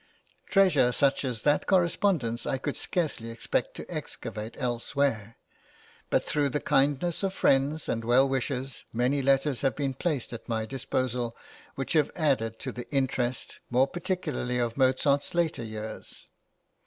Treasure such as that correspondence I could scarcely expect to excavate elsewhere; but through the kindness of friends and well wishers many letters have been placed at my disposal which have added to the interest, more particularly of Mozart's later years.